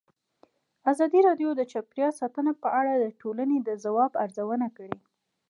ازادي راډیو د چاپیریال ساتنه په اړه د ټولنې د ځواب ارزونه کړې.